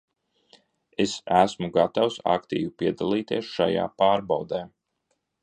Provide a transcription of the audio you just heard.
Es esmu gatavs aktīvi piedalīties šajā pārbaudē.